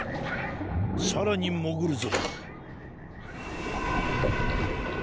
さらにもぐるぞ。